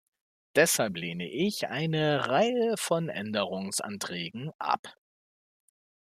Deshalb lehne ich eine Reihe von Änderungsanträgen ab.